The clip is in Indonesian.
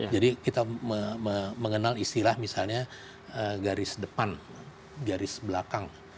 jadi kita mengenal istilah misalnya garis depan garis belakang